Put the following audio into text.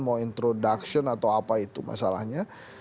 mau introduction atau apa itu masalahnya